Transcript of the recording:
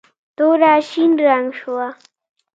توره شین رنګ شوه.